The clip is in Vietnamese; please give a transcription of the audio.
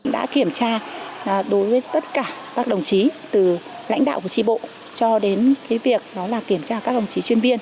đã kiểm tra đối với tất cả các đồng chí từ lãnh đạo của trì bộ cho đến việc kiểm tra các đồng chí chuyên viên